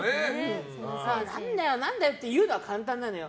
何だよ、何だよって言うのは簡単なのよ。